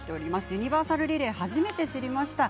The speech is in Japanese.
ユニバーサルリレー初めて知りました。